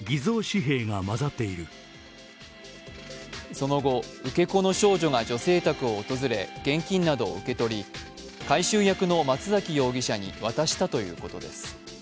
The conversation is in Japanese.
その後、受け子の少女が女性宅を訪れ、現金などを受取り回収役の松崎容疑者に渡したということです。